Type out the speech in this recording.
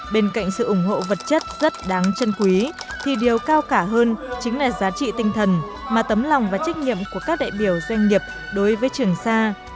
bên cạnh sự ủng hộ vật chất rất đáng chân quý thì điều cao cả hơn chính là giá trị tinh thần mà tấm lòng và trách nhiệm của các đại biểu doanh nghiệp đối với trường sa